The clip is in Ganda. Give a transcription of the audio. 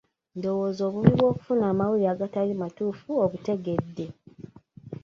Ndowooza obubi bwokufuna amawulire agatali matuufu obutegedde?